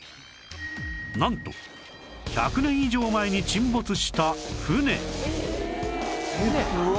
なんと１００年以上前に沈没した船